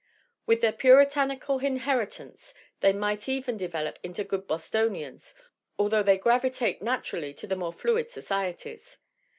With their puritanical inheritance they might even develop into good Bostonians, although they 'gravitate' naturally to the more fluid societies.